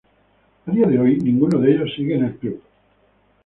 A día de hoy, ninguno de ellos sigue en el club.